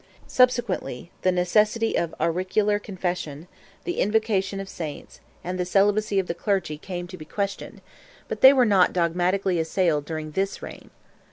Subsequently, the necessity of auricular confession, the invocation of Saints, and the celibacy of the clergy came to be questioned, but they were not dogmatically assailed during this reign.